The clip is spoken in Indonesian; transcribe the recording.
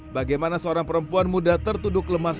bagaimana seorang perempuan muda tertuduk lemas